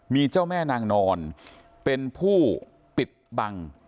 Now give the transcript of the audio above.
มีเจ้าแม่นางนอนเป็นผู้ปิดบัง